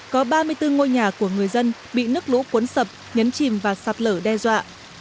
có ba mươi bốn ngôi nhà của người dân bị nước lũ cuốn sập nhấn chìm và sạt lở đe dọa